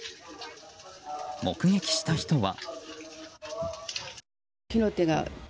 目撃した人は。